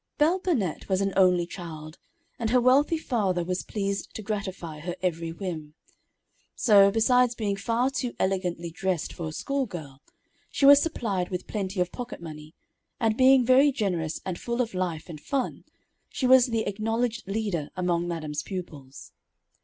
Belle Burnette was an only child, and her wealthy father was pleased to gratify her every whim. So, besides being far too elegantly dressed for a schoolgirl, she was supplied with plenty of pocket money, and being very generous and full of life and fun, she was the acknowledged leader among madam's pupils.